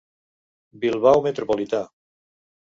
Bilbao metropolità.